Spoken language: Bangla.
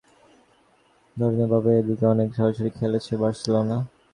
বিশ্লেষকেরা বলছেন, প্রথাগত ধরনের বাইরে গিয়ে এদিন অনেক সরাসরি খেলেছে বার্সেলোনা।